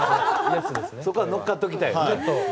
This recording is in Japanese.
そこは乗っかっときたい？